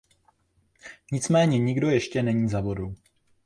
Nicméně nikdo ještě není za vodou.